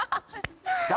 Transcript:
誰？